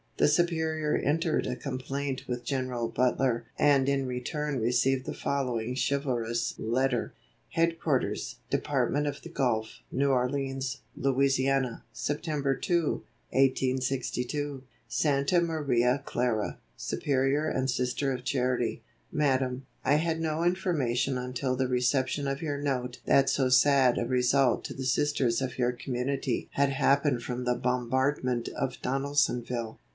The Superior entered a complaint with General Butler and in return received the following chivalrous letter: "Headquarters Department of the Gulf, New Orleans, La., September 2, 1862. "Santa Maria Clara, Superior and Sister of Charity. "Madame: I had no information until the reception of your note that so sad a result to the Sisters of your community had happened from the bombardment of Donaldsonville.